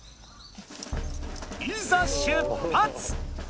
いざ出発！